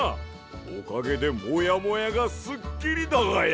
おかげでモヤモヤがすっきりだがや。